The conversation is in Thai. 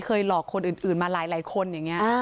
หลอกคนอื่นมาหลายคนอย่างนี้